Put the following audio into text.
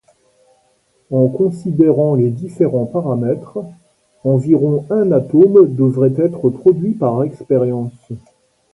En considérant les différents paramètres, environ un atome devrait être produit par expérience.